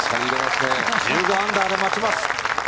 １５アンダーで待ちます。